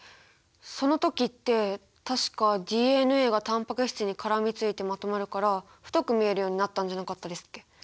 その時って確かＤＮＡがタンパク質に絡みついてまとまるから太く見えるようになったんじゃなかったですっけ。